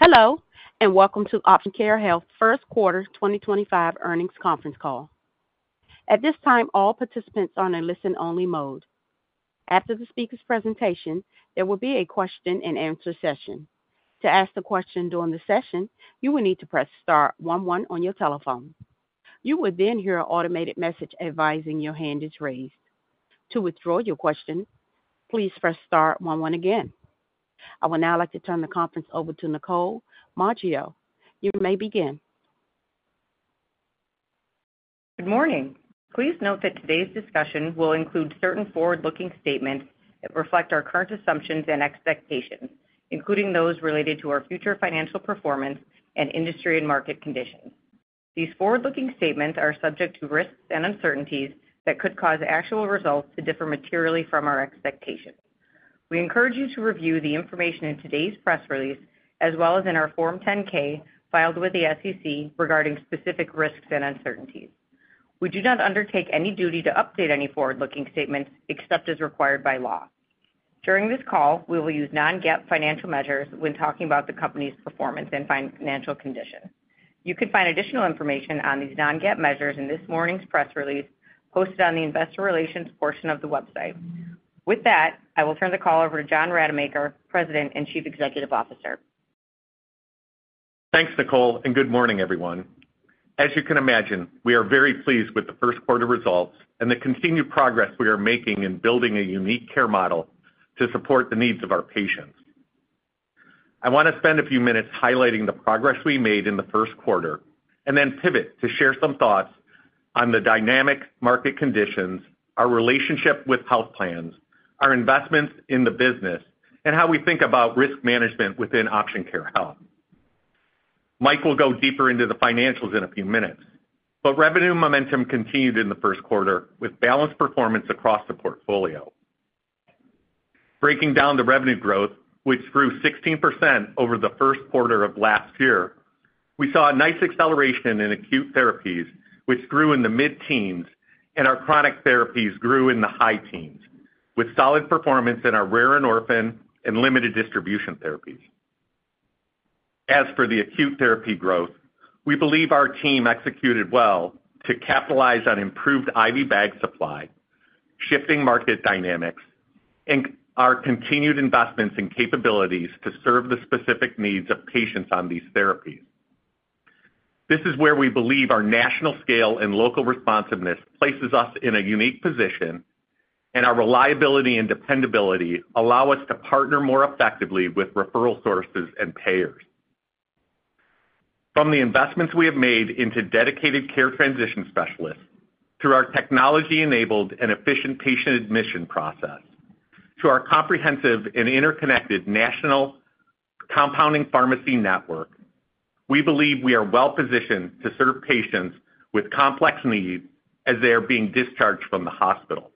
Hello, and welcome to Option Care Health First Quarter 2025 earnings conference call. At this time, all participants are in a listen-only mode. After the speaker's presentation, there will be a question-and-answer session. To ask a question during the session, you will need to press star one one on your telephone. You will then hear an automated message advising your hand is raised. To withdraw your question, please press star one one again. I would now like to turn the conference over to Nicole Maggio. You may begin. Good morning. Please note that today's discussion will include certain forward-looking statements that reflect our current assumptions and expectations, including those related to our future financial performance and industry and market conditions. These forward-looking statements are subject to risks and uncertainties that could cause actual results to differ materially from our expectations. We encourage you to review the information in today's press release, as well as in our Form 10-K filed with the SEC regarding specific risks and uncertainties. We do not undertake any duty to update any forward-looking statements except as required by law. During this call, we will use non-GAAP financial measures when talking about the company's performance and financial condition. You can find additional information on these non-GAAP measures in this morning's press release posted on the investor relations portion of the website. With that, I will turn the call over to John Rademacher, President and Chief Executive Officer. Thanks, Nicole, and good morning, everyone. As you can imagine, we are very pleased with the first quarter results and the continued progress we are making in building a unique care model to support the needs of our patients. I want to spend a few minutes highlighting the progress we made in the first quarter and then pivot to share some thoughts on the dynamic market conditions, our relationship with health plans, our investments in the business, and how we think about risk management within Option Care Health. Mike will go deeper into the financials in a few minutes, but revenue momentum continued in the first quarter with balanced performance across the portfolio. Breaking down the revenue growth, which grew 16% over the first quarter of last year, we saw a nice acceleration in acute therapies, which grew in the mid-teens, and our chronic therapies grew in the high-teens with solid performance in our rare orphan and limited distribution therapies. As for the acute therapy growth, we believe our team executed well to capitalize on improved IV bag supply, shifting market dynamics, and our continued investments in capabilities to serve the specific needs of patients on these therapies. This is where we believe our national scale and local responsiveness places us in a unique position, and our reliability and dependability allow us to partner more effectively with referral sources and payers. From the investments we have made into dedicated care transition specialists, through our technology-enabled and efficient patient admission process, to our comprehensive and interconnected national compounding pharmacy network, we believe we are well-positioned to serve patients with complex needs as they are being discharged from the hospital.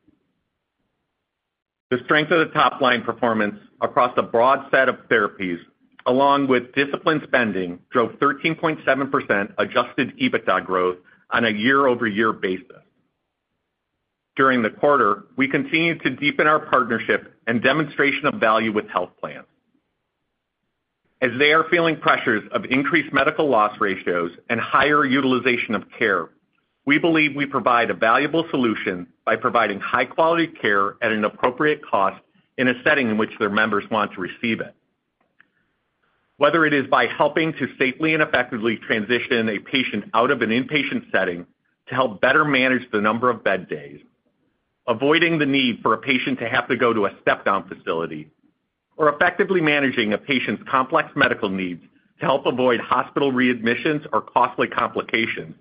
The strength of the top-line performance across a broad set of therapies, along with discipline spending, drove 13.7% adjusted EBITDA growth on a year-over-year basis. During the quarter, we continue to deepen our partnership and demonstration of value with health plans. As they are feeling pressures of increased medical loss ratios and higher utilization of care, we believe we provide a valuable solution by providing high-quality care at an appropriate cost in a setting in which their members want to receive it. Whether it is by helping to safely and effectively transition a patient out of an inpatient setting to help better manage the number of bed days, avoiding the need for a patient to have to go to a step-down facility, or effectively managing a patient's complex medical needs to help avoid hospital readmissions or costly complications,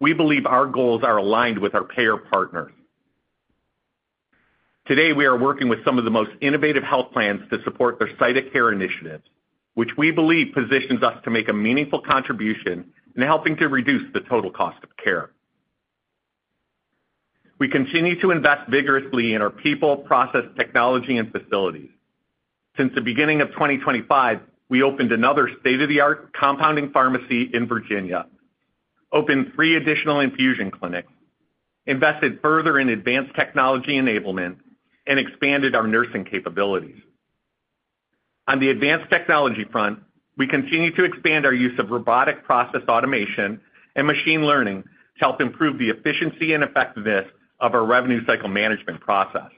we believe our goals are aligned with our payer partners. Today, we are working with some of the most innovative health plans to support their site of care initiatives, which we believe positions us to make a meaningful contribution in helping to reduce the total cost of care. We continue to invest vigorously in our people, process, technology, and facilities. Since the beginning of 2025, we opened another state-of-the-art compounding pharmacy in Virginia, opened three additional infusion clinics, invested further in advanced technology enablement, and expanded our nursing capabilities. On the advanced technology front, we continue to expand our use of robotic process automation and machine learning to help improve the efficiency and effectiveness of our revenue cycle management process.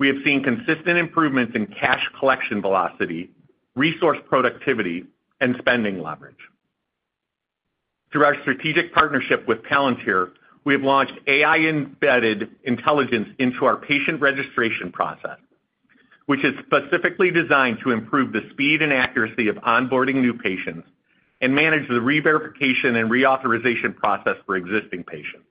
We have seen consistent improvements in cash collection velocity, resource productivity, and spending leverage. Through our strategic partnership with Palantir, we have launched AI-embedded intelligence into our patient registration process, which is specifically designed to improve the speed and accuracy of onboarding new patients and manage the re-verification and reauthorization process for existing patients.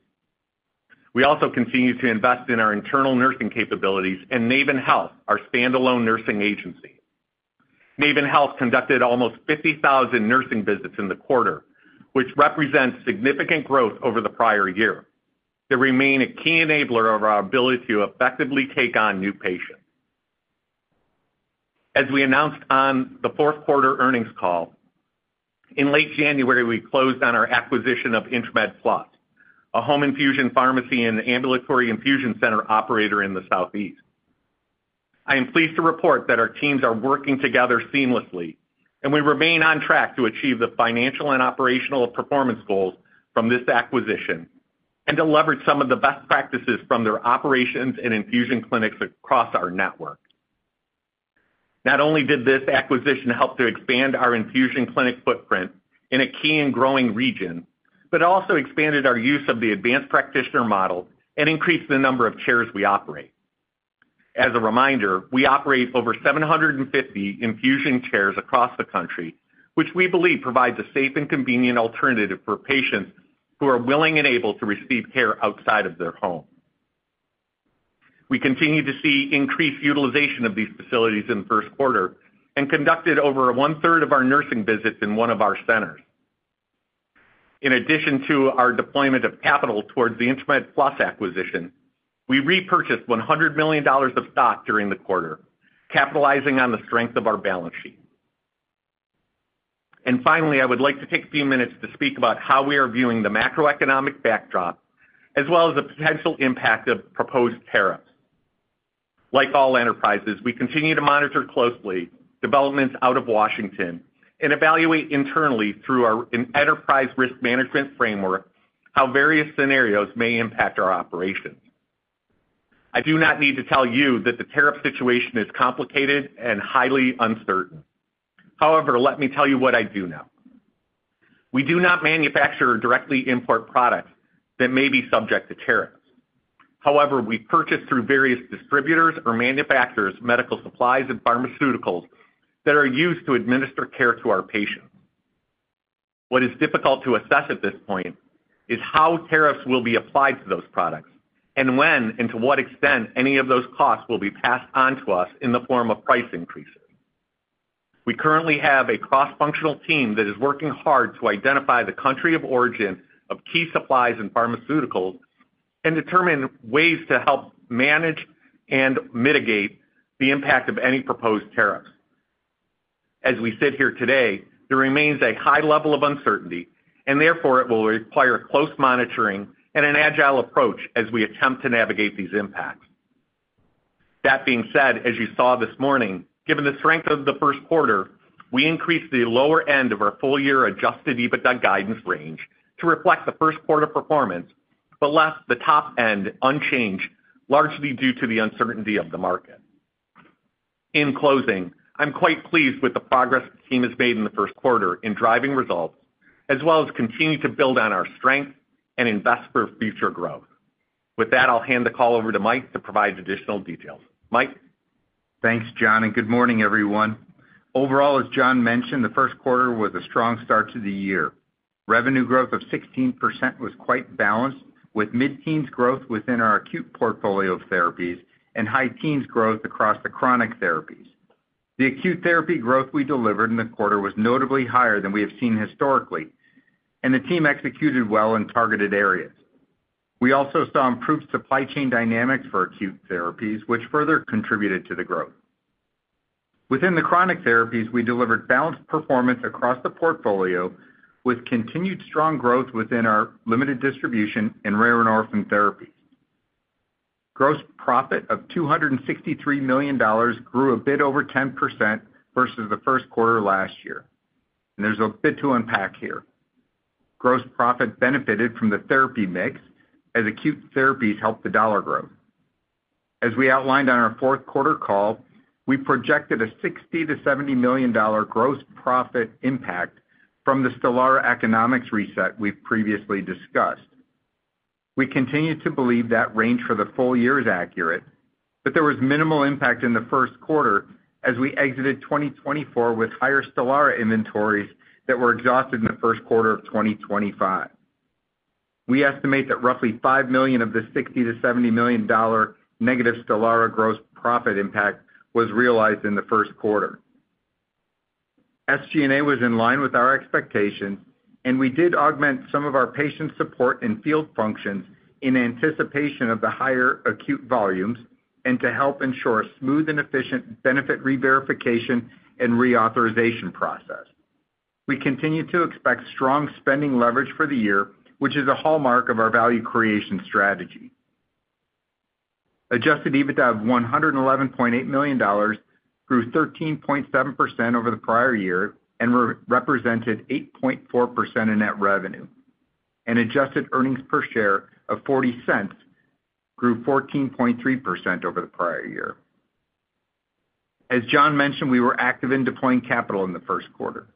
We also continue to invest in our internal nursing capabilities and Naven Health, our standalone nursing agency. Naven Health conducted almost 50,000 nursing visits in the quarter, which represents significant growth over the prior year. They remain a key enabler of our ability to effectively take on new patients. As we announced on the fourth quarter earnings call, in late January, we closed on our acquisition of Intramed Plus, a home infusion pharmacy and ambulatory infusion center operator in the Southeast. I am pleased to report that our teams are working together seamlessly, and we remain on track to achieve the financial and operational performance goals from this acquisition and to leverage some of the best practices from their operations and infusion clinics across our network. Not only did this acquisition help to expand our infusion clinic footprint in a key and growing region, but it also expanded our use of the advanced practitioner model and increased the number of chairs we operate. As a reminder, we operate over 750 infusion chairs across the country, which we believe provides a safe and convenient alternative for patients who are willing and able to receive care outside of their home. We continue to see increased utilization of these facilities in the first quarter and conducted over one-third of our nursing visits in one of our centers. In addition to our deployment of capital towards the Intramed Plus acquisition, we repurchased $100 million of stock during the quarter, capitalizing on the strength of our balance sheet. Finally, I would like to take a few minutes to speak about how we are viewing the macroeconomic backdrop, as well as the potential impact of proposed tariffs. Like all enterprises, we continue to monitor closely developments out of Washington and evaluate internally through our enterprise risk management framework how various scenarios may impact our operations. I do not need to tell you that the tariff situation is complicated and highly uncertain. However, let me tell you what I do know. We do not manufacture or directly import products that may be subject to tariffs. However, we purchase through various distributors or manufacturers medical supplies and pharmaceuticals that are used to administer care to our patients. What is difficult to assess at this point is how tariffs will be applied to those products and when and to what extent any of those costs will be passed on to us in the form of price increases. We currently have a cross-functional team that is working hard to identify the country of origin of key supplies and pharmaceuticals and determine ways to help manage and mitigate the impact of any proposed tariffs. As we sit here today, there remains a high level of uncertainty, and therefore it will require close monitoring and an agile approach as we attempt to navigate these impacts. That being said, as you saw this morning, given the strength of the first quarter, we increased the lower end of our full-year adjusted EBITDA guidance range to reflect the first quarter performance, but left the top end unchanged, largely due to the uncertainty of the market. In closing, I'm quite pleased with the progress the team has made in the first quarter in driving results, as well as continuing to build on our strength and invest for future growth. With that, I'll hand the call over to Mike to provide additional details. Mike. Thanks, John, and good morning, everyone. Overall, as John mentioned, the first quarter was a strong start to the year. Revenue growth of 16% was quite balanced, with mid-teens growth within our acute portfolio of therapies and high-teens growth across the chronic therapies. The acute therapy growth we delivered in the quarter was notably higher than we have seen historically, and the team executed well in targeted areas. We also saw improved supply chain dynamics for acute therapies, which further contributed to the growth. Within the chronic therapies, we delivered balanced performance across the portfolio, with continued strong growth within our limited distribution and rare and orphan therapies. Gross profit of $263 million grew a bit over 10% versus the first quarter last year, and there is a bit to unpack here. Gross profit benefited from the therapy mix as acute therapies helped the dollar growth. As we outlined on our fourth quarter call, we projected a $60 million-$70 million gross profit impact from the STELARA economics reset we've previously discussed. We continue to believe that range for the full year is accurate, but there was minimal impact in the first quarter as we exited 2024 with higher Stelara inventories that were exhausted in the first quarter of 2025. We estimate that roughly $5 million of the $60 million-$70 million negative STELARA gross profit impact was realized in the first quarter. SG&A was in line with our expectations, and we did augment some of our patient support and field functions in anticipation of the higher acute volumes and to help ensure a smooth and efficient benefit re-verification and reauthorization process. We continue to expect strong spending leverage for the year, which is a hallmark of our value creation strategy. Adjusted EBITDA of $111.8 million grew 13.7% over the prior year and represented 8.4% of net revenue. Adjusted earnings per share of $0.40 grew 14.3% over the prior year. As John mentioned, we were active in deploying capital in the first quarter.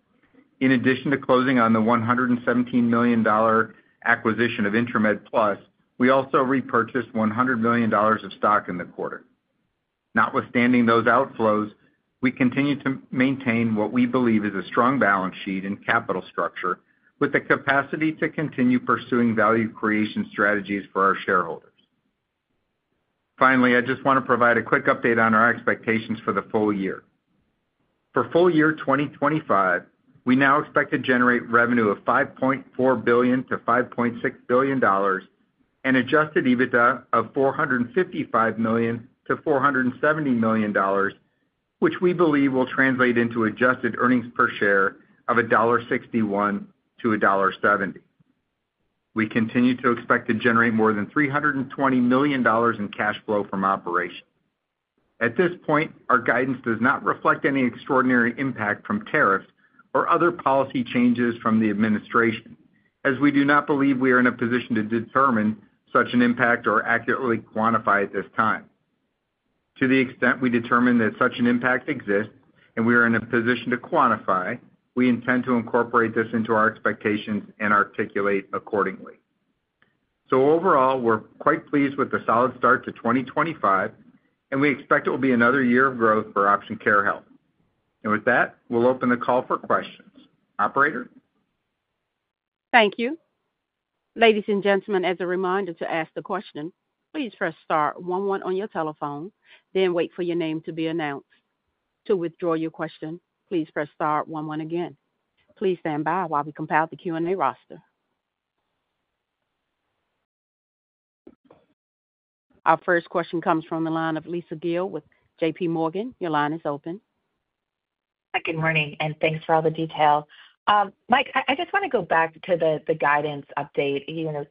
In addition to closing on the $117 million acquisition of Intramed Plus, we also repurchased $100 million of stock in the quarter. Notwithstanding those outflows, we continue to maintain what we believe is a strong balance sheet and capital structure with the capacity to continue pursuing value creation strategies for our shareholders. Finally, I just want to provide a quick update on our expectations for the full year. For full year 2025, we now expect to generate revenue of $5.4 billion-$5.6 billion and adjusted EBITDA of $455 million-$470 million, which we believe will translate into adjusted earnings per share of $1.61-$1.70. We continue to expect to generate more than $320 million in cash flow from operations. At this point, our guidance does not reflect any extraordinary impact from tariffs or other policy changes from the administration, as we do not believe we are in a position to determine such an impact or accurately quantify at this time. To the extent we determine that such an impact exists and we are in a position to quantify, we intend to incorporate this into our expectations and articulate accordingly. Overall, we're quite pleased with the solid start to 2025, and we expect it will be another year of growth for Option Care Health. With that, we'll open the call for questions. Operator. Thank you. Ladies and gentlemen, as a reminder to ask the question, please press star one one on your telephone, then wait for your name to be announced. To withdraw your question, please press star one one again. Please stand by while we compile the Q&A roster. Our first question comes from the line of Lisa Gill with JPMorgan. Your line is open. Good morning, and thanks for all the detail. Mike, I just want to go back to the guidance update,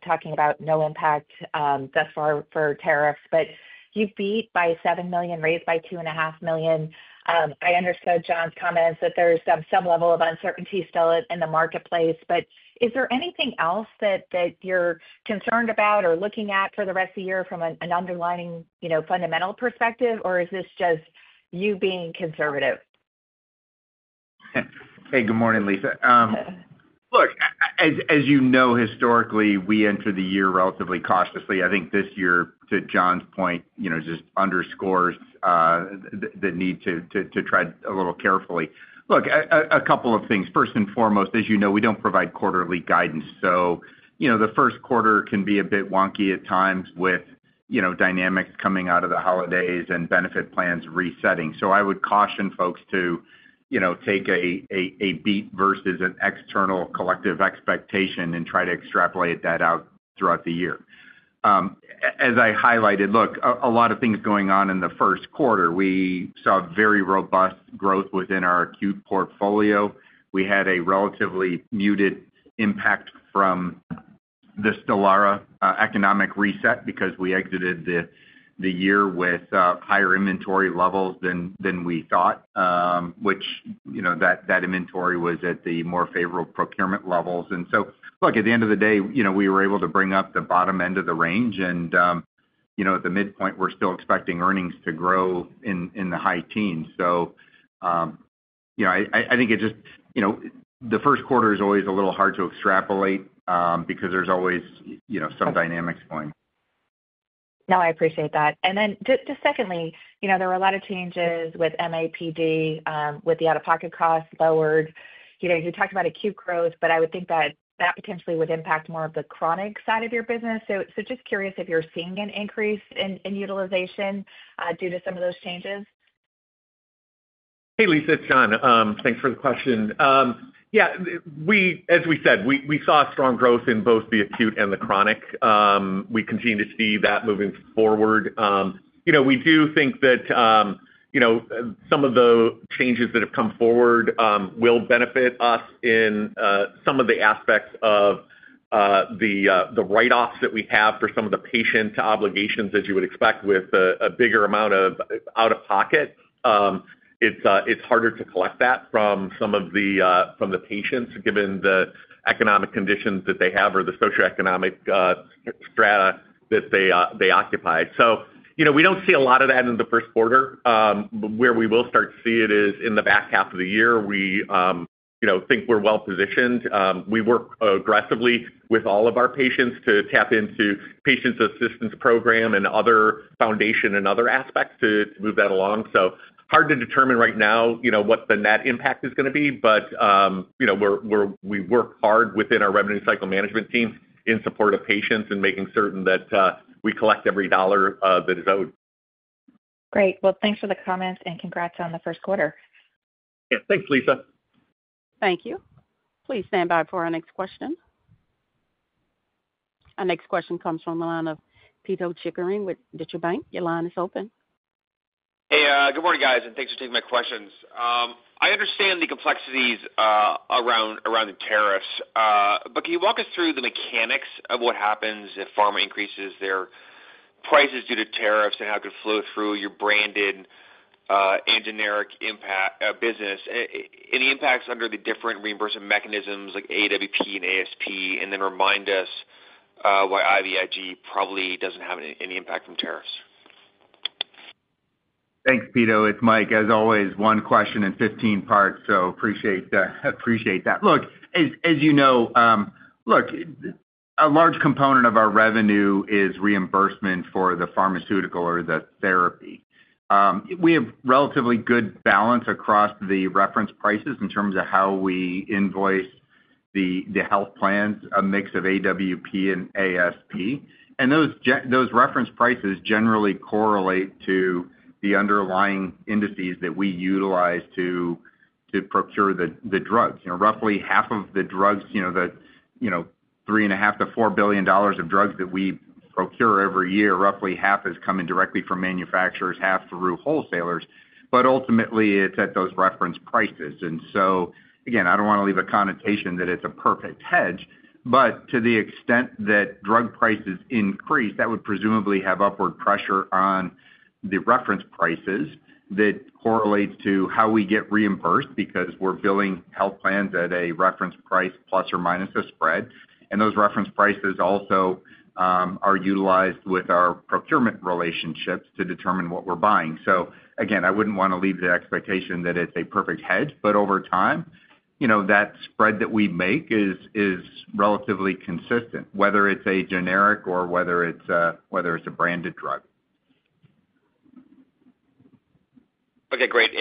talking about no impact thus far for tariffs, but you've beat by $7 million, raised by $2.5 million. I understood John's comments that there's some level of uncertainty still in the marketplace, but is there anything else that you're concerned about or looking at for the rest of the year from an underlying fundamental perspective, or is this just you being conservative? Hey, good morning, Lisa. Look, as you know, historically, we entered the year relatively cautiously. I think this year, to John's point, just underscores the need to tread a little carefully. Look, a couple of things. First and foremost, as you know, we don't provide quarterly guidance, so the first quarter can be a bit wonky at times with dynamics coming out of the holidays and benefit plans resetting. I would caution folks to take a beat versus an external collective expectation and try to extrapolate that out throughout the year. As I highlighted, look, a lot of things going on in the first quarter. We saw very robust growth within our acute portfolio. We had a relatively muted impact from the STELARA economic reset because we exited the year with higher inventory levels than we thought, which that inventory was at the more favorable procurement levels. Look, at the end of the day, we were able to bring up the bottom end of the range, and at the midpoint, we're still expecting earnings to grow in the high teens. I think it just the first quarter is always a little hard to extrapolate because there's always some dynamics going. No, I appreciate that. Then just secondly, there were a lot of changes with MAPD, with the out-of-pocket costs lowered. You talked about acute growth, but I would think that that potentially would impact more of the chronic side of your business. Just curious if you're seeing an increase in utilization due to some of those changes. Hey, Lisa, it's John. Thanks for the question. Yeah, as we said, we saw strong growth in both the acute and the chronic. We continue to see that moving forward. We do think that some of the changes that have come forward will benefit us in some of the aspects of the write-offs that we have for some of the patient obligations, as you would expect with a bigger amount of out-of-pocket. It's harder to collect that from some of the patients, given the economic conditions that they have or the socioeconomic strata that they occupy. We don't see a lot of that in the first quarter. Where we will start to see it is in the back half of the year. We think we're well positioned. We work aggressively with all of our patients to tap into patient assistance program and other foundation and other aspects to move that along. It is hard to determine right now what the net impact is going to be, but we work hard within our revenue cycle management team in support of patients and making certain that we collect every dollar that is owed. Great. Thanks for the comments and congrats on the first quarter. Yeah, thanks, Lisa. Thank you. Please stand by for our next question. Our next question comes from the line of Pito Chickering with Deutsche Bank. Your line is open. Hey, good morning, guys, and thanks for taking my questions. I understand the complexities around the tariffs, but can you walk us through the mechanics of what happens if pharma increases their prices due to tariffs and how it could flow through your branded and generic business and the impacts under the different reimbursement mechanisms like AWP and ASP, and then remind us why IVIG probably doesn't have any impact from tariffs? Thanks, Pito. It's Mike, as always, one question in 15 parts, so appreciate that. Look, as you know, a large component of our revenue is reimbursement for the pharmaceutical or the therapy. We have relatively good balance across the reference prices in terms of how we invoice the health plans, a mix of AWP and ASP. Those reference prices generally correlate to the underlying indices that we utilize to procure the drugs. Roughly half of the drugs, the $3.5 billion-$4 billion of drugs that we procure every year, roughly half is coming directly from manufacturers, half through wholesalers, but ultimately it's at those reference prices. Again, I don't want to leave a connotation that it's a perfect hedge, but to the extent that drug prices increase, that would presumably have upward pressure on the reference prices that correlates to how we get reimbursed because we're billing health plans at a reference price plus or minus a spread. Those reference prices also are utilized with our procurement relationships to determine what we're buying. Again, I wouldn't want to leave the expectation that it's a perfect hedge, but over time, that spread that we make is relatively consistent, whether it's a generic or whether it's a branded drug. Okay, great.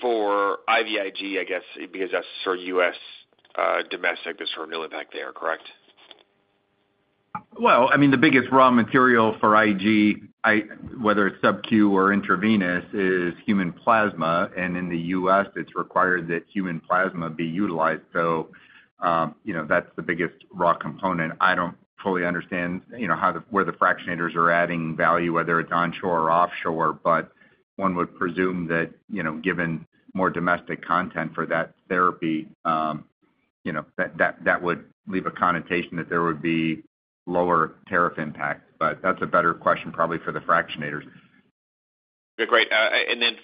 For IVIG, I guess, because that's for U.S. domestic, there's no impact there, correct? I mean, the biggest raw material for IG, whether it's subcu or intravenous, is human plasma. And in the U.S., it's required that human plasma be utilized. So that's the biggest raw component. I don't fully understand where the fractionators are adding value, whether it's onshore or offshore, but one would presume that given more domestic content for that therapy, that would leave a connotation that there would be lower tariff impact. That's a better question probably for the fractionators. Okay, great.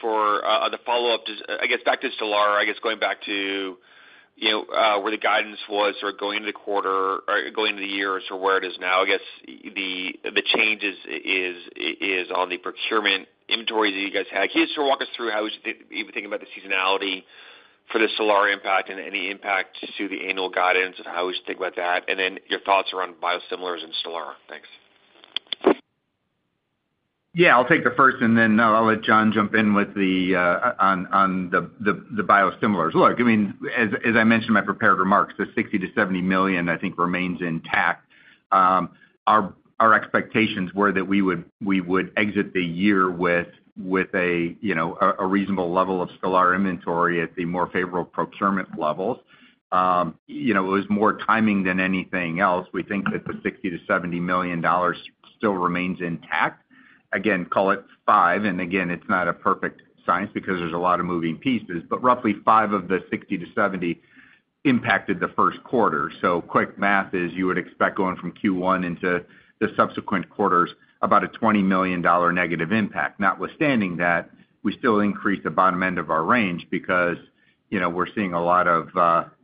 For the follow-up, I guess back to STELARA, I guess going back to where the guidance was for going into the quarter or going into the year or to where it is now, I guess the change is on the procurement inventories that you guys had. Can you just sort of walk us through how you've been thinking about the seasonality for the STELARA impact and any impact to the annual guidance and how we should think about that? Your thoughts around biosimilars and STELARA. Thanks. Yeah, I'll take the first, and then I'll let John jump in on the biosimilars. Look, I mean, as I mentioned in my prepared remarks, the $60 million-$70 million, I think, remains intact. Our expectations were that we would exit the year with a reasonable level of STELARA inventory at the more favorable procurement levels. It was more timing than anything else. We think that the $60 million-$70 million still remains intact. Again, call it five. And again, it's not a perfect science because there's a lot of moving pieces, but roughly five of the $60 million-$70 million impacted the first quarter. Quick math is you would expect going from Q1 into the subsequent quarters, about a $20 million negative impact. Notwithstanding that, we still increased the bottom end of our range because we're seeing a lot of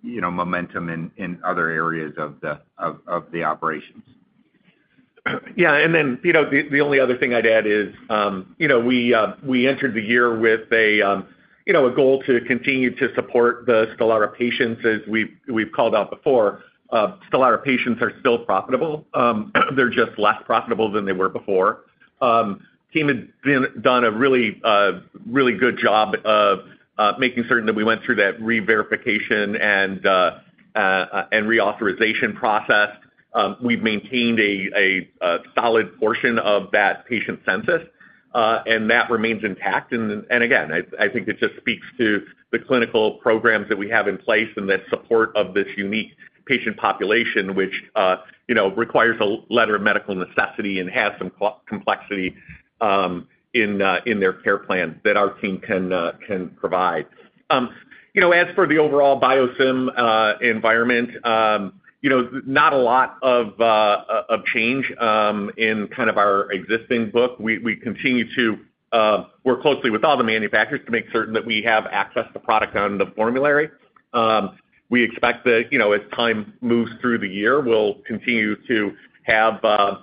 momentum in other areas of the operations. Yeah, and then the only other thing I'd add is we entered the year with a goal to continue to support the STELARA patients, as we've called out before. STELARA patients are still profitable. They're just less profitable than they were before. Team has done a really good job of making certain that we went through that re-verification and reauthorization process. We've maintained a solid portion of that patient census, and that remains intact. I think it just speaks to the clinical programs that we have in place and the support of this unique patient population, which requires a letter of medical necessity and has some complexity in their care plan that our team can provide. As for the overall biosim environment, not a lot of change in kind of our existing book. We continue to work closely with all the manufacturers to make certain that we have access to product on the formulary. We expect that as time moves through the year, we will continue to have a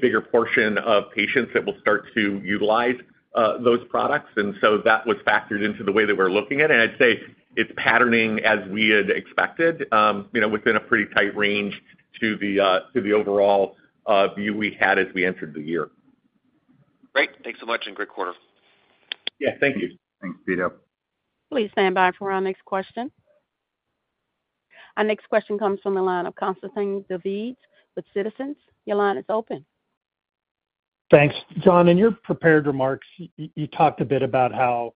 bigger portion of patients that will start to utilize those products. That was factored into the way that we are looking at it. I would say it is patterning as we had expected within a pretty tight range to the overall view we had as we entered the year. Great. Thanks so much and great quarter. Yeah, thank you. Thanks, Pito. Please stand by for our next question. Our next question comes from the line of Constantine Davides with Citizens. Your line is open. Thanks. John, in your prepared remarks, you talked a bit about how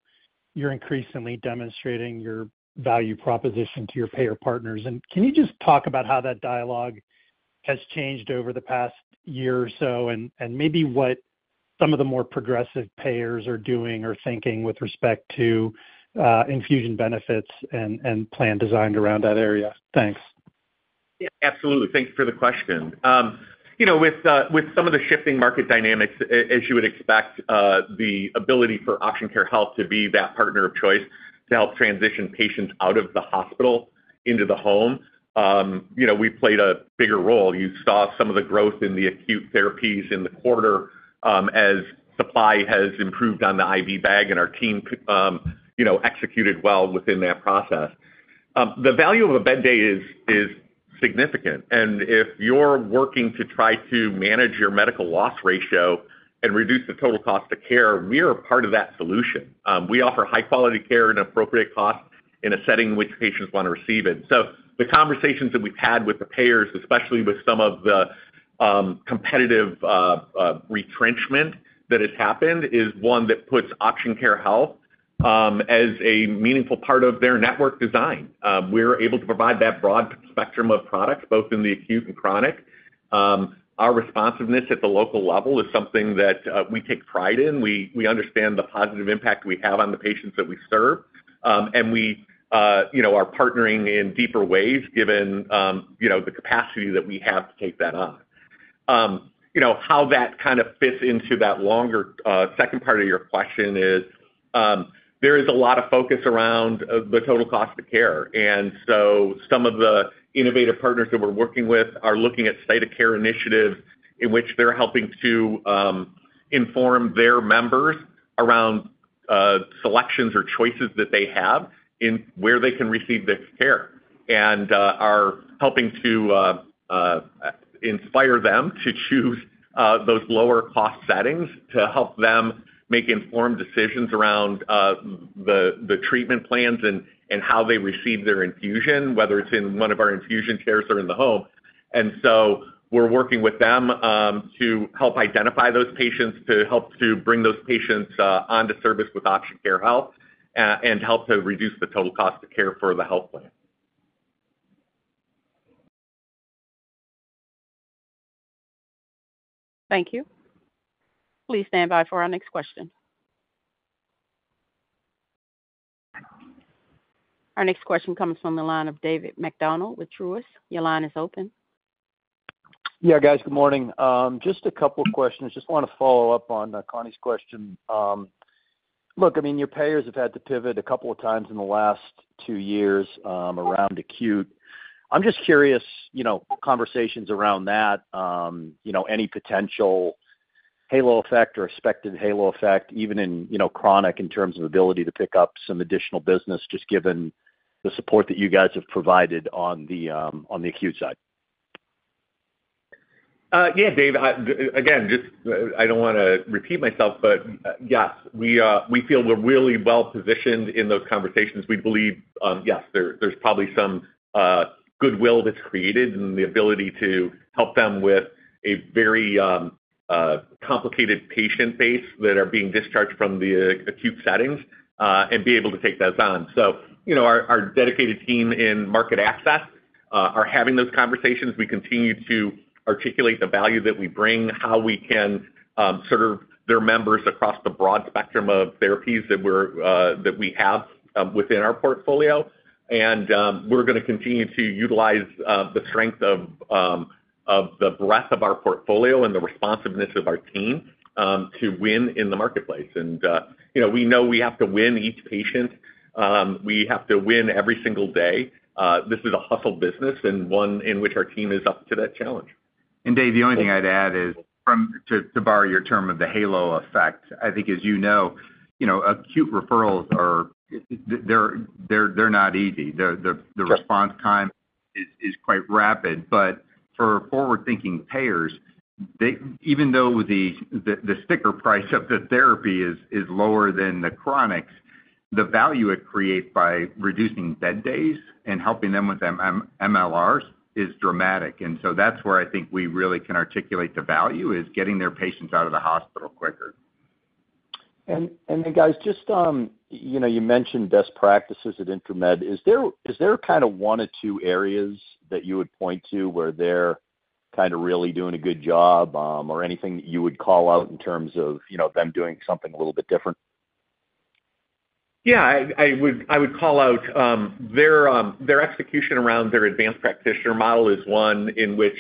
you're increasingly demonstrating your value proposition to your payer partners. Can you just talk about how that dialogue has changed over the past year or so and maybe what some of the more progressive payers are doing or thinking with respect to infusion benefits and plan design around that area? Thanks. Yeah, absolutely. Thank you for the question. With some of the shifting market dynamics, as you would expect, the ability for Option Care Health to be that partner of choice to help transition patients out of the hospital into the home, we played a bigger role. You saw some of the growth in the acute therapies in the quarter as supply has improved on the IV bag, and our team executed well within that process. The value of a bed day is significant. If you're working to try to manage your medical loss ratio and reduce the total cost of care, we are part of that solution. We offer high-quality care at an appropriate cost in a setting in which patients want to receive it. The conversations that we've had with the payers, especially with some of the competitive retrenchment that has happened, is one that puts Option Care Health as a meaningful part of their network design. We're able to provide that broad spectrum of products, both in the acute and chronic. Our responsiveness at the local level is something that we take pride in. We understand the positive impact we have on the patients that we serve, and we are partnering in deeper ways given the capacity that we have to take that on. How that kind of fits into that longer second part of your question is there is a lot of focus around the total cost of care. Some of the innovative partners that we're working with are looking at state of care initiatives in which they're helping to inform their members around selections or choices that they have in where they can receive their care and are helping to inspire them to choose those lower-cost settings to help them make informed decisions around the treatment plans and how they receive their infusion, whether it's in one of our infusion chairs or in the home. We're working with them to help identify those patients, to help to bring those patients onto service with Option Care Health, and help to reduce the total cost of care for the health plan. Thank you. Please stand by for our next question. Our next question comes from the line of David Macdonald with Truist. Your line is open. Yeah, guys, good morning. Just a couple of questions. Just want to follow up on Connie's question. Look, I mean, your payers have had to pivot a couple of times in the last two years around acute. I'm just curious, conversations around that, any potential halo effect or expected halo effect, even in chronic in terms of ability to pick up some additional business, just given the support that you guys have provided on the acute side. Yeah, Dave, again, I don't want to repeat myself, but yes, we feel we're really well positioned in those conversations. We believe, yes, there's probably some goodwill that's created and the ability to help them with a very complicated patient base that are being discharged from the acute settings and be able to take those on. Our dedicated team in market access are having those conversations. We continue to articulate the value that we bring, how we can serve their members across the broad spectrum of therapies that we have within our portfolio. We are going to continue to utilize the strength of the breadth of our portfolio and the responsiveness of our team to win in the marketplace. We know we have to win each patient. We have to win every single day. This is a hustle business and one in which our team is up to that challenge. Dave, the only thing I'd add is, to borrow your term of the halo effect, I think, as you know, acute referrals, they're not easy. The response time is quite rapid. For forward-thinking payers, even though the sticker price of the therapy is lower than the chronics, the value it creates by reducing bed days and helping them with MLRs is dramatic. That is where I think we really can articulate the value is getting their patients out of the hospital quicker. You mentioned best practices at Intramed. Is there kind of one or two areas that you would point to where they're kind of really doing a good job or anything that you would call out in terms of them doing something a little bit different? Yeah, I would call out their execution around their advanced practitioner model is one in which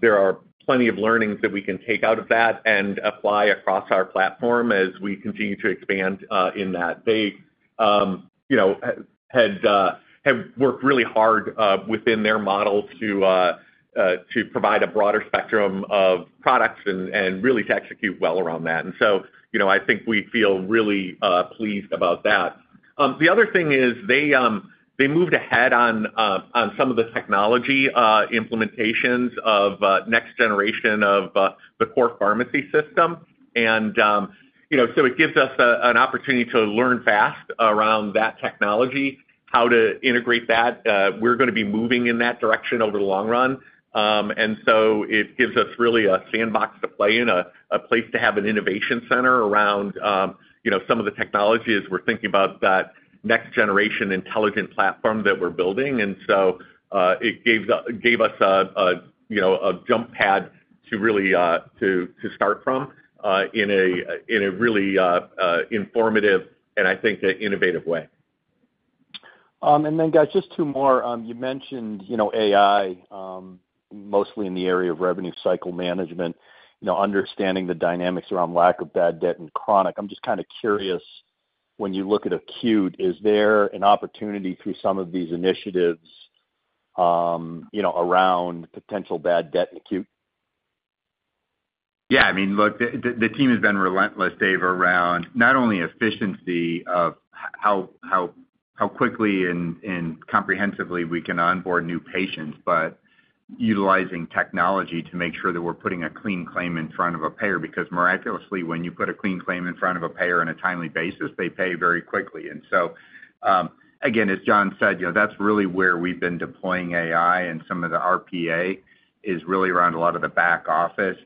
there are plenty of learnings that we can take out of that and apply across our platform as we continue to expand in that. They have worked really hard within their model to provide a broader spectrum of products and really to execute well around that. I think we feel really pleased about that. The other thing is they moved ahead on some of the technology implementations of next generation of the core pharmacy system. It gives us an opportunity to learn fast around that technology, how to integrate that. We're going to be moving in that direction over the long run. It gives us really a sandbox to play in, a place to have an innovation center around some of the technologies. We're thinking about that next generation intelligent platform that we're building. It gave us a jump pad to really start from in a really informative and I think innovative way. Guys, just two more. You mentioned AI mostly in the area of revenue cycle management, understanding the dynamics around lack of bad debt and chronic. I'm just kind of curious, when you look at acute, is there an opportunity through some of these initiatives around potential bad debt and acute? Yeah, I mean, look, the team has been relentless, Dave, around not only efficiency of how quickly and comprehensively we can onboard new patients, but utilizing technology to make sure that we're putting a clean claim in front of a payer because miraculously, when you put a clean claim in front of a payer on a timely basis, they pay very quickly. Again, as John said, that's really where we've been deploying AI and some of the RPA is really around a lot of the back office.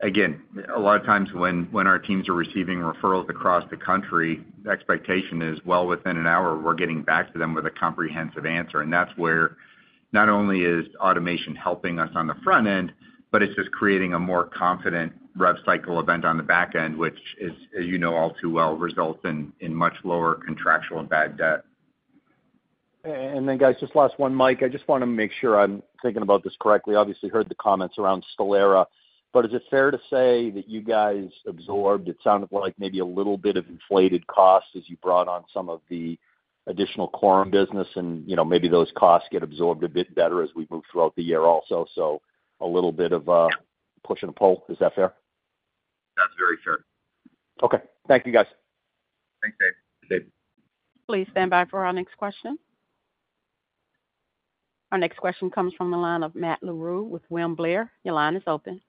Again, a lot of times when our teams are receiving referrals across the country, the expectation is well within an hour we're getting back to them with a comprehensive answer. That is where not only is automation helping us on the front end, but it is just creating a more confident rev cycle event on the back end, which is, as you know all too well, results in much lower contractual and bad debt. Guys, just last one, Mike. I just want to make sure I'm thinking about this correctly. Obviously, I heard the comments around STELARA, but is it fair to say that you guys absorbed? It sounded like maybe a little bit of inflated costs as you brought on some of the additional Quorum business, and maybe those costs get absorbed a bit better as we move throughout the year also. A little bit of a push and a pull. Is that fair? That's very fair. Okay. Thank you, guys. Thanks, Dave. Please stand by for our next question. Our next question comes from the line of Matt Larew with William Blair. Your line is open.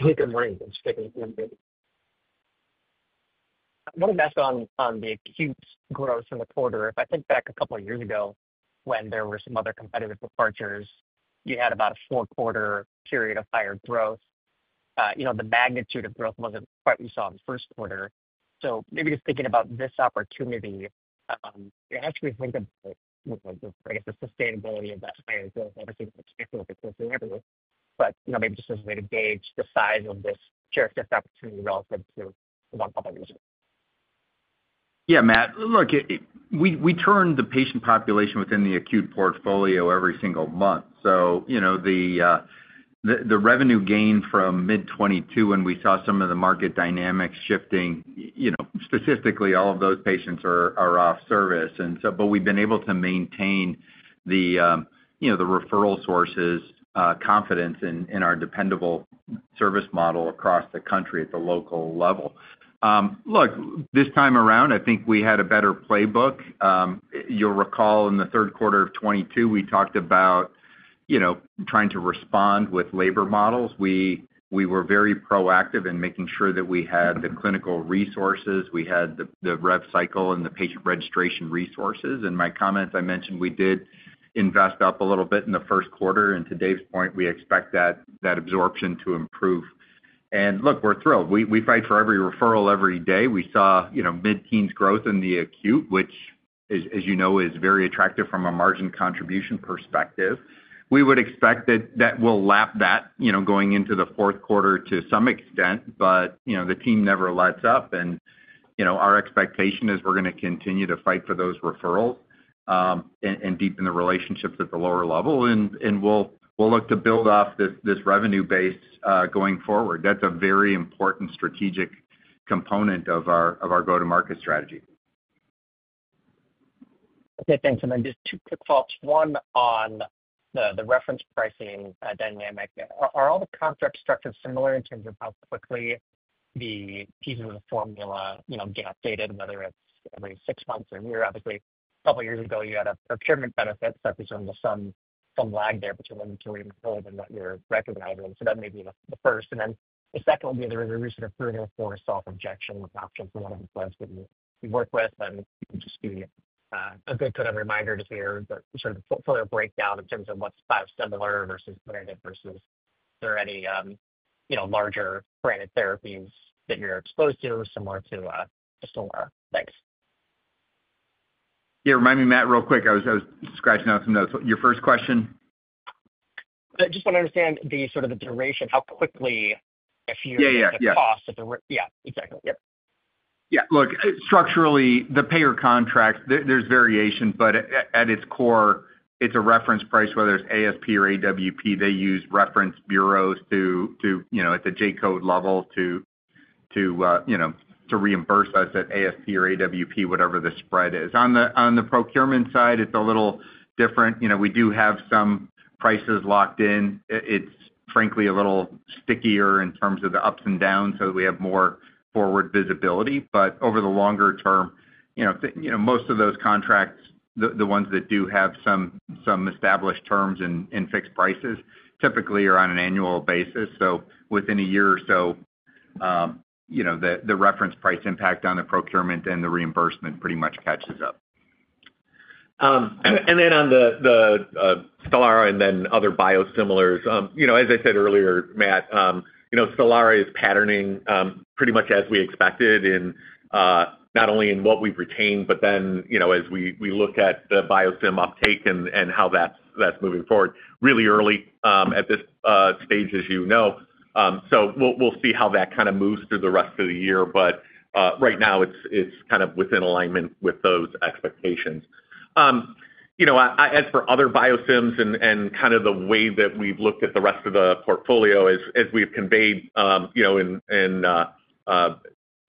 Hey, good morning. I'm speaking with William. I want to ask on the acute growth in the quarter. If I think back a couple of years ago when there were some other competitive departures, you had about a four-quarter period of higher growth. The magnitude of growth wasn't quite what we saw in the first quarter. Maybe just thinking about this opportunity, it has to be thinking about, I guess, the sustainability of that higher growth. Obviously, it's excessive everywhere, but maybe just as a way to gauge the size of this share of this opportunity relative to one public user. Yeah, Matt. Look, we turn the patient population within the acute portfolio every single month. The revenue gain from mid 2022 when we saw some of the market dynamics shifting, statistically, all of those patients are off service. We have been able to maintain the referral sources' confidence in our dependable service model across the country at the local level. This time around, I think we had a better playbook. You'll recall in the third quarter of 2022, we talked about trying to respond with labor models. We were very proactive in making sure that we had the clinical resources, we had the rev cycle, and the patient registration resources. In my comments, I mentioned we did invest up a little bit in the first quarter. To Dave's point, we expect that absorption to improve. We are thrilled. We fight for every referral every day. We saw mid-teens growth in the acute, which, as you know, is very attractive from a margin contribution perspective. We would expect that that will lap that going into the fourth quarter to some extent, but the team never lets up. Our expectation is we're going to continue to fight for those referrals and deepen the relationships at the lower level. We'll look to build off this revenue base going forward. That's a very important strategic component of our go-to-market strategy. Okay, thanks. Then just two quick follow-ups. One on the reference pricing dynamic. Are all the contract structures similar in terms of how quickly the pieces of the formula get updated, whether it is every six months or a year? Obviously, a couple of years ago, you had a procurement benefit, so there is some lag there between when you can really move forward and what you are recognizing. That may be the first. The second would be there was a recent approval for a soft injection option for one of the plans that we work with. It would just be a good kind of reminder to hear sort of the portfolio breakdown in terms of what is biosimilar versus branded versus is there any larger branded therapies that you are exposed to similar to STELARA. Thanks. Yeah, remind me, Matt, real quick. I was scratching out some notes. Your first question? Just want to understand the sort of the duration, how quickly if you're at the cost? Yeah, yeah. Yeah, exactly. Yep. Yeah. Look, structurally, the payer contract, there's variation, but at its core, it's a reference price, whether it's ASP or AWP. They use reference bureaus at the J-code level to reimburse us at ASP or AWP, whatever the spread is. On the procurement side, it's a little different. We do have some prices locked in. It's frankly a little stickier in terms of the ups and downs so that we have more forward visibility. Over the longer term, most of those contracts, the ones that do have some established terms and fixed prices, typically are on an annual basis. Within a year or so, the reference price impact on the procurement and the reimbursement pretty much catches up. On the STELARA and then other biosimilars, as I said earlier, Matt, STELARA is patterning pretty much as we expected, not only in what we've retained, but then as we look at the biosim uptake and how that's moving forward, really early at this stage, as you know. We will see how that kind of moves through the rest of the year. Right now, it's kind of within alignment with those expectations. As for other biosims and kind of the way that we've looked at the rest of the portfolio, as we've conveyed in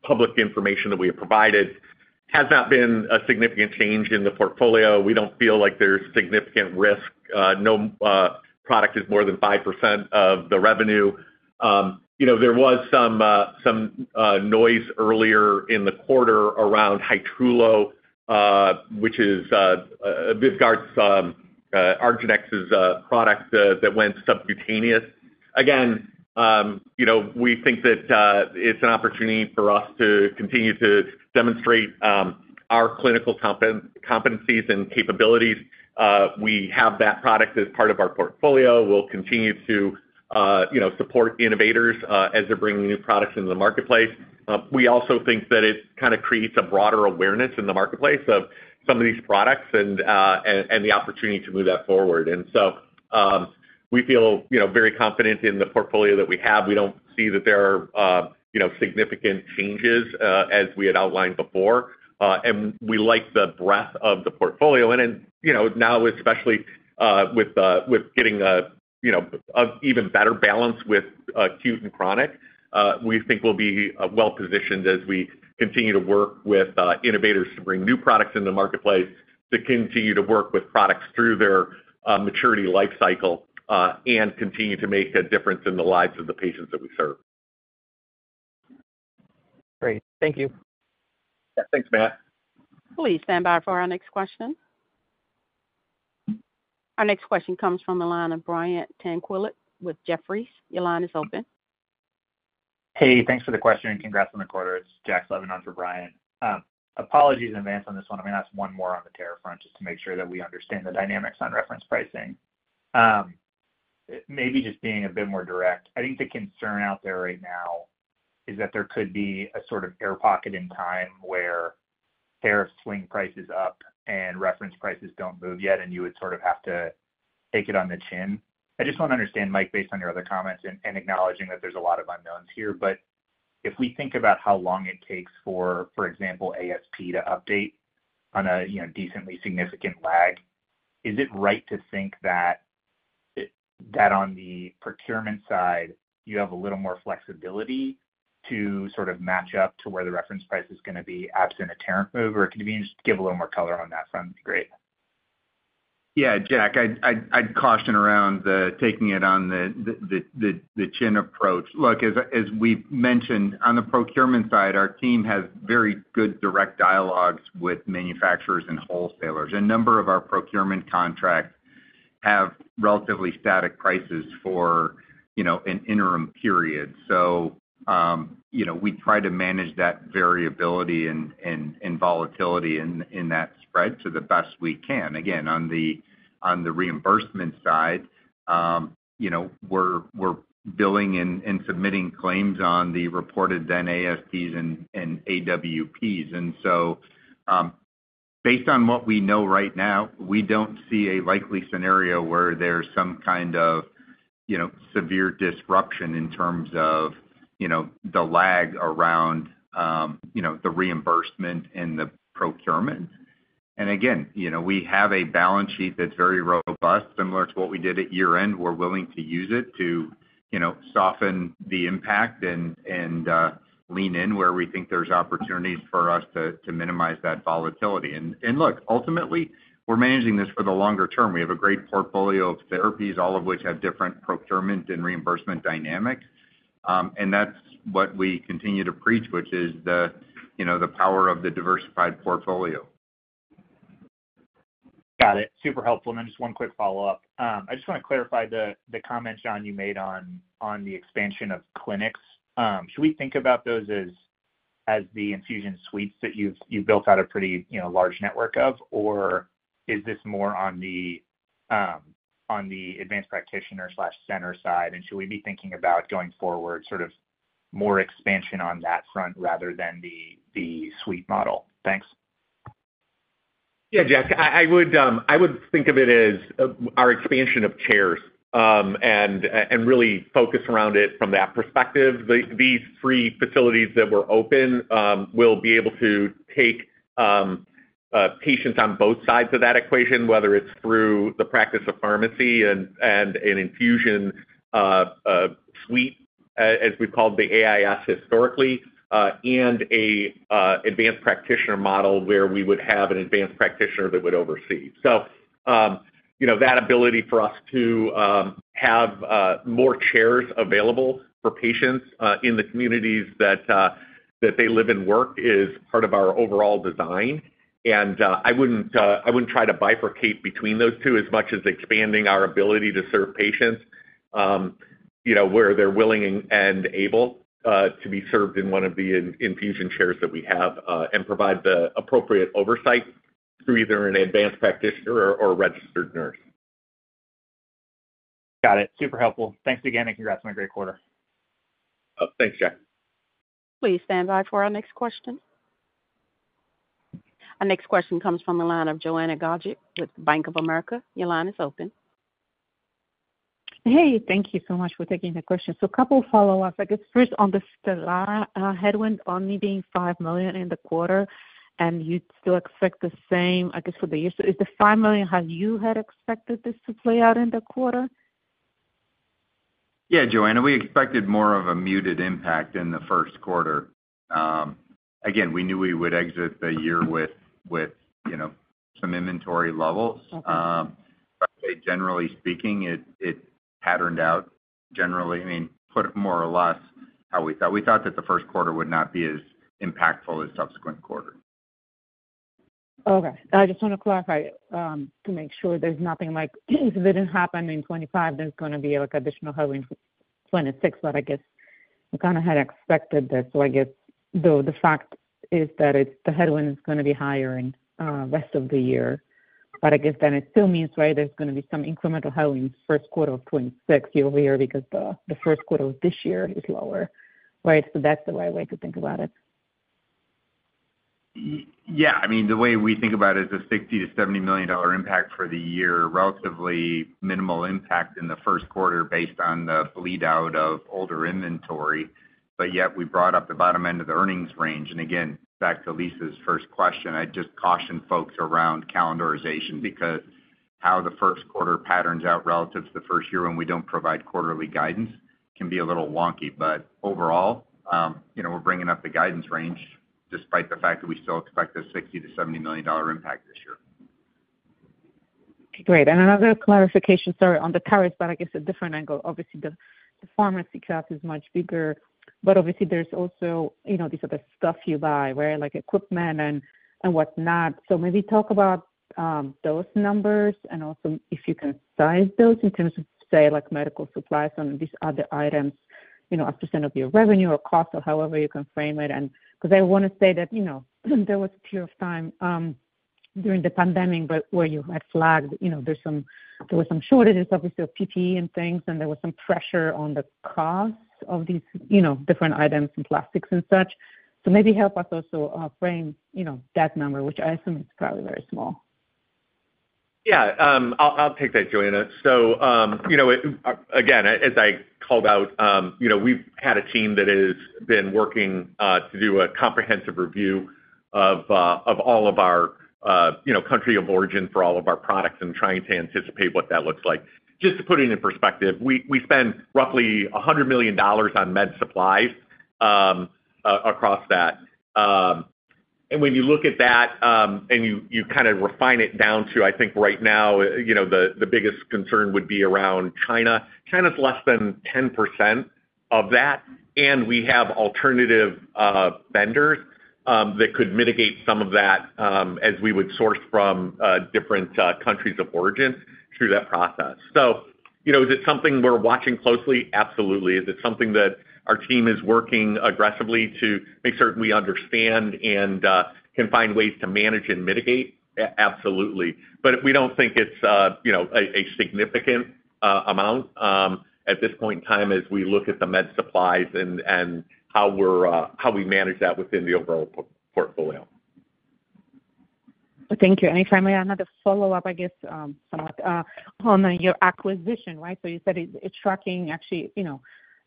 public information that we have provided, there has not been a significant change in the portfolio. We do not feel like there's significant risk. No product is more than 5% of the revenue. There was some noise earlier in the quarter around Hytrulo, which is VYVGART's argenx's product that went subcutaneous. Again, we think that it's an opportunity for us to continue to demonstrate our clinical competencies and capabilities. We have that product as part of our portfolio. We'll continue to support innovators as they're bringing new products into the marketplace. We also think that it kind of creates a broader awareness in the marketplace of some of these products and the opportunity to move that forward. We feel very confident in the portfolio that we have. We don't see that there are significant changes as we had outlined before. We like the breadth of the portfolio. Especially with getting an even better balance with acute and chronic, we think we'll be well-positioned as we continue to work with innovators to bring new products into the marketplace, to continue to work with products through their maturity life cycle, and continue to make a difference in the lives of the patients that we serve. Great. Thank you. Yeah, thanks, Matt. Please stand by for our next question. Our next question comes from the line of Brian Tanquilutt with Jefferies. Your line is open. Hey, thanks for the question. Congrats on the quarter. It's Jack Slevin for Brian. Apologies in advance on this one. I'm going to ask one more on the tariff front just to make sure that we understand the dynamics on reference pricing. Maybe just being a bit more direct, I think the concern out there right now is that there could be a sort of air pocket in time where tariffs swing prices up and reference prices don't move yet, and you would sort of have to take it on the chin. I just want to understand, Mike, based on your other comments and acknowledging that there's a lot of unknowns here. If we think about how long it takes for, for example, ASP to update on a decently significant lag, is it right to think that on the procurement side, you have a little more flexibility to sort of match up to where the reference price is going to be absent a tariff move? Or could you just give a little more color on that front? It'd be great. Yeah, Jack, I'd caution around taking it on the chin approach. Look, as we've mentioned, on the procurement side, our team has very good direct dialogues with manufacturers and wholesalers. A number of our procurement contracts have relatively static prices for an interim period. We try to manage that variability and volatility in that spread to the best we can. Again, on the reimbursement side, we're billing and submitting claims on the reported then ASPs and AWPs. Based on what we know right now, we don't see a likely scenario where there's some kind of severe disruption in terms of the lag around the reimbursement and the procurement. We have a balance sheet that's very robust, similar to what we did at year-end. We're willing to use it to soften the impact and lean in where we think there's opportunities for us to minimize that volatility. Ultimately, we're managing this for the longer term. We have a great portfolio of therapies, all of which have different procurement and reimbursement dynamics. That's what we continue to preach, which is the power of the diversified portfolio. Got it. Super helpful. Just one quick follow-up. I just want to clarify the comment, John, you made on the expansion of clinics. Should we think about those as the infusion suites that you've built out a pretty large network of, or is this more on the advanced practitioner/center side? Should we be thinking about going forward sort of more expansion on that front rather than the suite model? Thanks. Yeah, Jack. I would think of it as our expansion of chairs and really focus around it from that perspective. These three facilities that were open will be able to take patients on both sides of that equation, whether it's through the practice of pharmacy and an infusion suite, as we've called the AIS historically, and an advanced practitioner model where we would have an advanced practitioner that would oversee. That ability for us to have more chairs available for patients in the communities that they live and work is part of our overall design. I wouldn't try to bifurcate between those two as much as expanding our ability to serve patients where they're willing and able to be served in one of the infusion chairs that we have and provide the appropriate oversight through either an advanced practitioner or a registered nurse. Got it. Super helpful. Thanks again, and congrats on a great quarter. Thanks, Jack. Please stand by for our next question. Our next question comes from the line of Joanna Gajuk with Bank of America. Your line is open. Hey, thank you so much for taking the question. A couple of follow-ups. I guess first on the STELARA headwind only being $5 million in the quarter, and you still expect the same, I guess, for the year. Is the $5 million, have you had expected this to play out in the quarter? Yeah, Joanna, we expected more of a muted impact in the first quarter. Again, we knew we would exit the year with some inventory levels. Generally speaking, it patterned out generally, I mean, more or less how we thought. We thought that the first quarter would not be as impactful as the subsequent quarter. Okay. I just want to clarify to make sure there's nothing like if it didn't happen in 2025, there's going to be an additional headwind for 2026, but I guess we kind of had expected that. I guess the fact is that the headwind is going to be higher in the rest of the year. I guess then it still means, right, there's going to be some incremental headwinds first quarter of 2026 year-over-year because the first quarter of this year is lower, right? That's the right way to think about it. Yeah. I mean, the way we think about it is a $60 million-$70 million impact for the year, relatively minimal impact in the first quarter based on the bleed out of older inventory. Yet, we brought up the bottom end of the earnings range. Again, back to Lisa's first question, I'd just caution folks around calendarization because how the first quarter patterns out relative to the first year when we do not provide quarterly guidance can be a little wonky. Overall, we are bringing up the guidance range despite the fact that we still expect a $60 million-$70 million impact this year. Great. Another clarification, sorry, on the tariffs, but I guess a different angle. Obviously, the pharmacy crop is much bigger. Obviously, there's also these other stuff you buy, right, like equipment and whatnot. Maybe talk about those numbers and also if you can size those in terms of, say, medical supplies and these other items as % of your revenue or cost or however you can frame it. I want to say that there was a period of time during the pandemic where you had flagged there were some shortages, obviously, of PPE and things, and there was some pressure on the cost of these different items and plastics and such. Maybe help us also frame that number, which I assume is probably very small. Yeah, I'll take that, Joanna. As I called out, we've had a team that has been working to do a comprehensive review of all of our country of origin for all of our products and trying to anticipate what that looks like. Just to put it in perspective, we spend roughly $100 million on med supplies across that. When you look at that and you kind of refine it down to, I think right now, the biggest concern would be around China. China's less than 10% of that. We have alternative vendors that could mitigate some of that as we would source from different countries of origin through that process. Is it something we're watching closely? Absolutely. Is it something that our team is working aggressively to make certain we understand and can find ways to manage and mitigate? Absolutely. We don't think it's a significant amount at this point in time as we look at the med supplies and how we manage that within the overall portfolio. Thank you. If I may, another follow-up, I guess, on your acquisition, right? You said it's shocking, actually,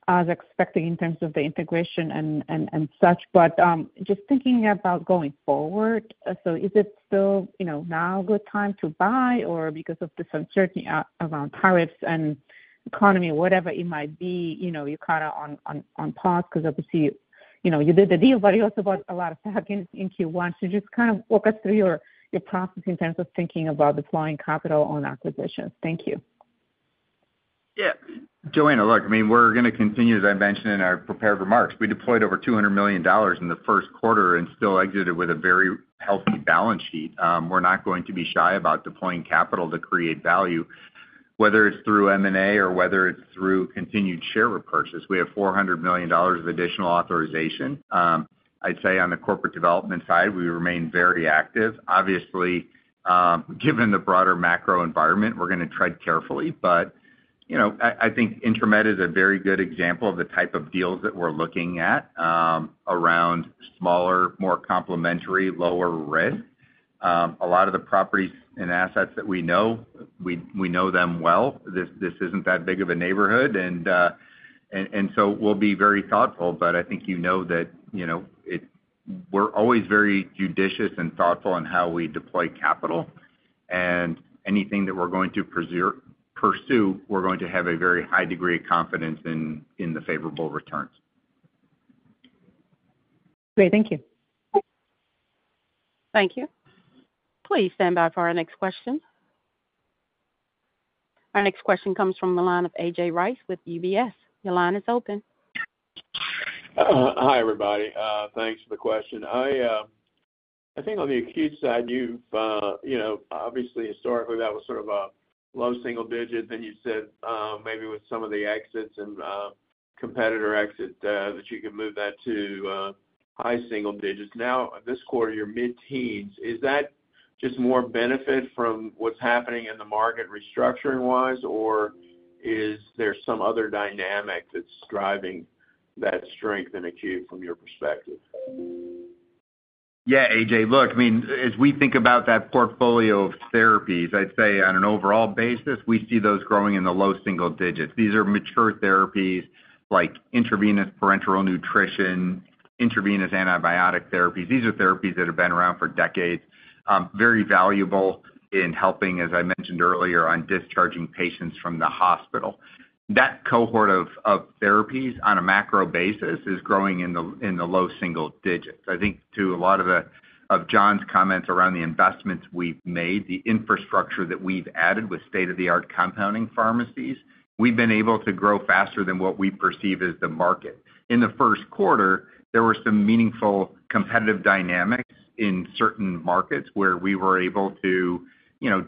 as expected in terms of the integration and such. Just thinking about going forward, is it still now a good time to buy or because of the uncertainty around tariffs and economy, whatever it might be, you're kind of on pause because obviously you did the deal, but you also bought a lot of stock in Q1. Just kind of walk us through your process in terms of thinking about deploying capital on acquisitions. Thank you. Yeah. Joanna, look, I mean, we're going to continue, as I mentioned in our prepared remarks. We deployed over $200 million in the first quarter and still exited with a very healthy balance sheet. We're not going to be shy about deploying capital to create value, whether it's through M&A or whether it's through continued share repurchase. We have $400 million of additional authorization. I'd say on the corporate development side, we remain very active. Obviously, given the broader macro environment, we're going to tread carefully. I think Intramed Plus is a very good example of the type of deals that we're looking at around smaller, more complementary, lower risk. A lot of the properties and assets that we know, we know them well. This isn't that big of a neighborhood. We will be very thoughtful. I think you know that we're always very judicious and thoughtful in how we deploy capital. Anything that we're going to pursue, we're going to have a very high degree of confidence in the favorable returns. Great. Thank you. Thank you. Please stand by for our next question. Our next question comes from the line of A.J. Rice with UBS. Your line is open. Hi, everybody. Thanks for the question. I think on the acute side, obviously, historically, that was sort of a low single digit. Then you said maybe with some of the exits and competitor exit that you could move that to high single digits. Now, this quarter, you're mid-teens. Is that just more benefit from what's happening in the market restructuring-wise, or is there some other dynamic that's driving that strength in acute from your perspective? Yeah, AJ. Look, I mean, as we think about that portfolio of therapies, I'd say on an overall basis, we see those growing in the low single digits. These are mature therapies like intravenous parenteral nutrition, intravenous antibiotic therapies. These are therapies that have been around for decades, very valuable in helping, as I mentioned earlier, on discharging patients from the hospital. That cohort of therapies on a macro basis is growing in the low single digits. I think to a lot of John's comments around the investments we've made, the infrastructure that we've added with state-of-the-art compounding pharmacies, we've been able to grow faster than what we perceive as the market. In the first quarter, there were some meaningful competitive dynamics in certain markets where we were able to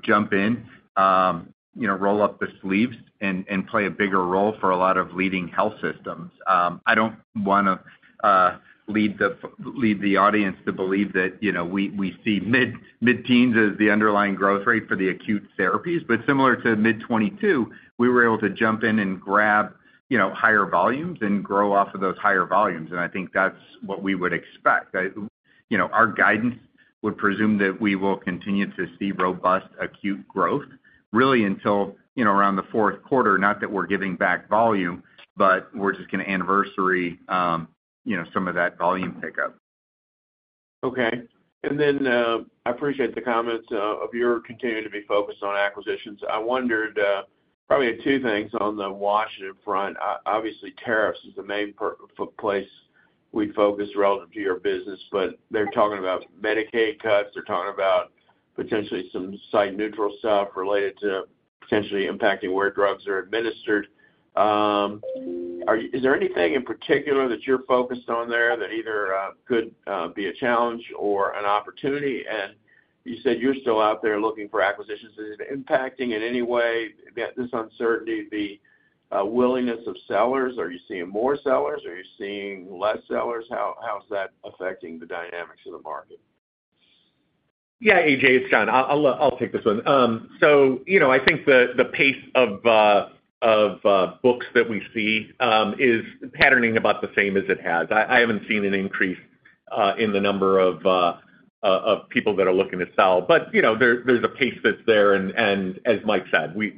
jump in, roll up the sleeves, and play a bigger role for a lot of leading health systems. I don't want to lead the audience to believe that we see mid-teens as the underlying growth rate for the acute therapies. Similar to mid-2022, we were able to jump in and grab higher volumes and grow off of those higher volumes. I think that's what we would expect. Our guidance would presume that we will continue to see robust acute growth really until around the fourth quarter. Not that we're giving back volume, but we're just going to anniversary some of that volume pickup. Okay. I appreciate the comments of your continuing to be focused on acquisitions. I wondered probably two things on the Washington front. Obviously, tariffs is the main place we focus relative to your business, but they're talking about Medicaid cuts. They're talking about potentially some site-neutral stuff related to potentially impacting where drugs are administered. Is there anything in particular that you're focused on there that either could be a challenge or an opportunity? You said you're still out there looking for acquisitions. Is it impacting in any way this uncertainty, the willingness of sellers? Are you seeing more sellers? Are you seeing less sellers? How's that affecting the dynamics of the market? Yeah, A.J., it's John. I'll take this one. I think the pace of books that we see is patterning about the same as it has. I haven't seen an increase in the number of people that are looking to sell. There's a pace that's there. As Mike said, we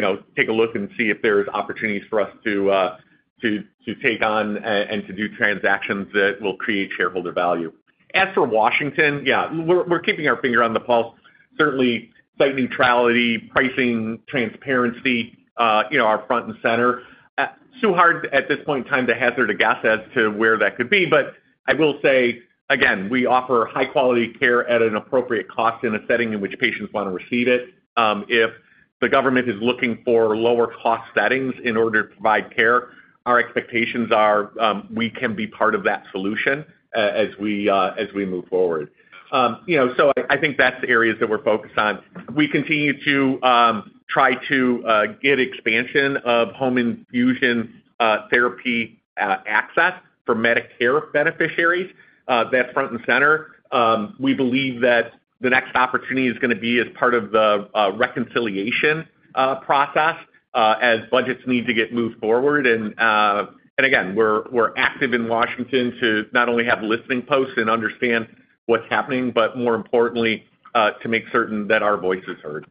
will take a look and see if there's opportunities for us to take on and to do transactions that will create shareholder value. As for Washington, yeah, we're keeping our finger on the pulse. Certainly, site neutrality, pricing transparency, are front and center. It's too hard at this point in time to hazard a guess as to where that could be. I will say, again, we offer high-quality care at an appropriate cost in a setting in which patients want to receive it. If the government is looking for lower-cost settings in order to provide care, our expectations are we can be part of that solution as we move forward. I think that's the areas that we're focused on. We continue to try to get expansion of home infusion therapy access for Medicare beneficiaries. That's front and center. We believe that the next opportunity is going to be as part of the reconciliation process as budgets need to get moved forward. Again, we're active in Washington to not only have listening posts and understand what's happening, but more importantly, to make certain that our voice is heard.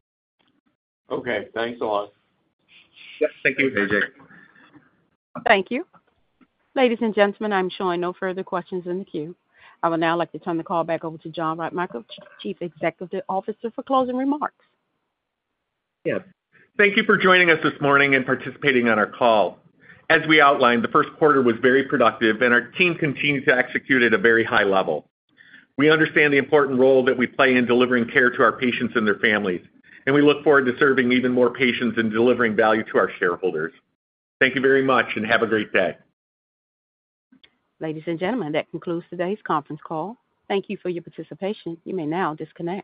Okay. Thanks a lot. Yep. Thank you, A.J. Thank you. Ladies and gentlemen, as there are no further questions in the queue, I would now like to turn the call back over to John Rademacher, Chief Executive Officer, for closing remarks. Yeah. Thank you for joining us this morning and participating on our call. As we outlined, the first quarter was very productive, and our team continues to execute at a very high level. We understand the important role that we play in delivering care to our patients and their families, and we look forward to serving even more patients and delivering value to our shareholders. Thank you very much, and have a great day. Ladies and gentlemen, that concludes today's conference call. Thank you for your participation. You may now disconnect.